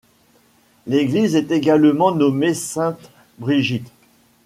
L'église est également nommée Sainte-Brigitte.